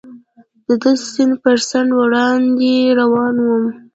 د سیند پر څنډه وړاندې روان ووم.